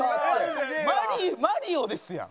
マリオですやん。